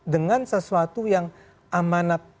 dengan sesuatu yang amanat